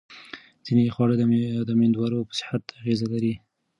ځینې خواړه د مېندوارۍ په صحت اغېزه لري.